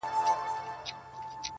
چي یې زړه شي په هغه اور کي سوځېږم!